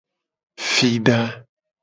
Fida.